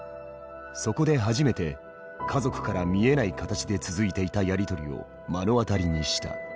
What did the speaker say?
そこで初めて家族から見えない形で続いていたやり取りを目の当たりにした。